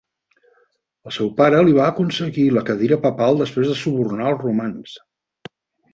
El seu pare li va aconseguir la cadira Papal després de subornar els romans.